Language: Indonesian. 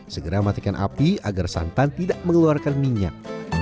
segera matikan api agar santan tidak mengeluarkan minyak